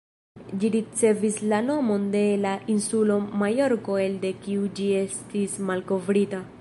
Ĝi ricevis la nomon de la insulo Majorko elde kiu ĝi estis malkovrita.